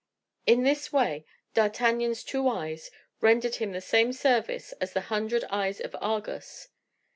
In this way, D'Artagnan's two eyes rendered him the same service as the hundred eyes of Argus.